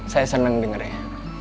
saya seneng denger ya